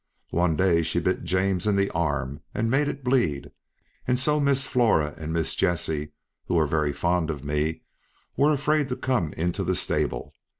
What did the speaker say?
One day she bit James in the arm and made it bleed, and so Miss Flora and Miss Jessie, who are very fond of me, were afraid to come into the stable.